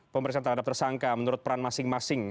pemeriksaan terhadap tersangka menurut peran masing masing